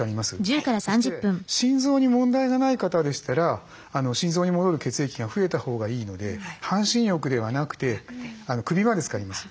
そして心臓に問題がない方でしたら心臓に戻る血液が増えたほうがいいので半身浴ではなくて首までつかります。